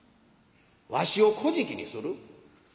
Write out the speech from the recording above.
わしをこじきにする？